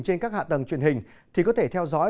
trên các hạ tầng truyền hình thì có thể theo dõi